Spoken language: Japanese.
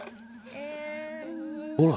ほら！